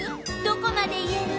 どこまで言える？